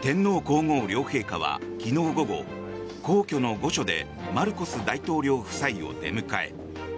天皇・皇后両陛下は、昨日午後皇居の御所でマルコス大統領夫妻を出迎え。